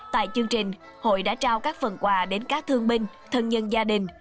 tại chương trình hội đã trao các phần quà đến các thương binh thân nhân gia đình